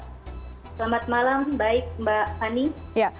selamat malam baik mbak fani